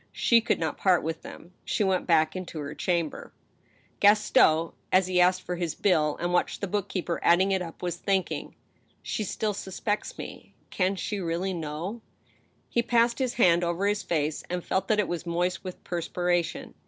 She could not part with them. She went back into her chamber. ANOTHER COURT OF APPEAL. 231 Gaston, as he asked for his bill, and watched the book keeper adding it up, was thinking :" She still suspects me. ... Can she really know ?" He passed his hand over his face^ and felt that it was moist with perspiration.